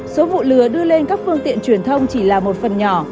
số vụ lừa đưa lên các phương tiện truyền thông chỉ là một phần nhỏ